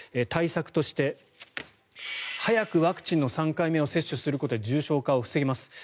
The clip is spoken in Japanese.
対策として早くワクチンの３回目を接種することで重症化を防げます。